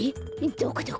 どこどこ？